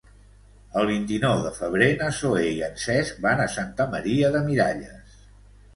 El vint-i-nou de febrer na Zoè i en Cesc van a Santa Maria de Miralles.